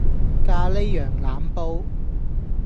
咖喱羊腩煲